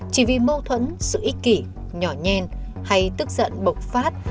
chỉ vì mâu thuẫn sự ích kỷ nhỏ nhen hay tức giận bộc phát